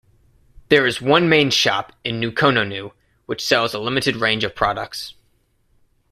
There is one main shop in Nukunonu which sells a limited range of products.